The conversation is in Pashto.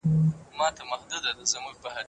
د هغه مزار ته ورشئ.